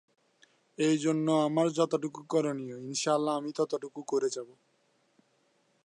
মন্দিরটি মিশরীয় দেবতার ছিল।